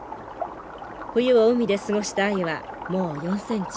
冬を海で過ごしたアユはもう４センチ。